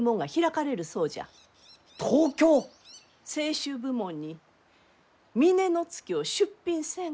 清酒部門に峰乃月を出品せんかと。